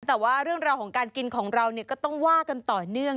แต่ว่าเรื่องราวของการกินของเราก็ต้องว่ากันต่อเนื่อง